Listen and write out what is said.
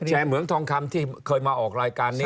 เหมืองทองคำที่เคยมาออกรายการนี้